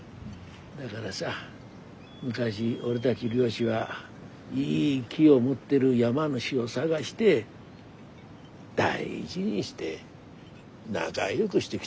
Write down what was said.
だがらさ昔俺たち漁師はいい木を持ってる山主を探して大事にして仲よぐしてきたんだよ。